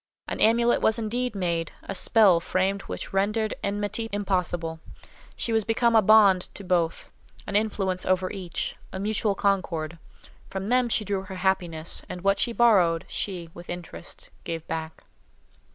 An amulet was indeed made, a spell framed which rendered enmity impossible. She was become a bond to both, an influence over each, a mutual concord. From them she drew her happiness, and what she borrowed, she, with interest, gave back.